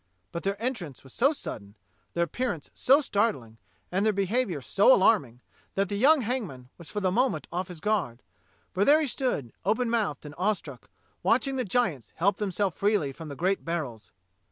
But their entrance was so sudden, their appearance so startling, and their behaviour so alarming, that the young hangman was for the moment off his guard, for there he stood open mouthed and awestruck, watching the giants help themselves freely from the great barrels.